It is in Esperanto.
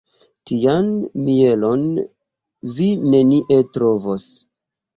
Tian mielon vi nenie trovos.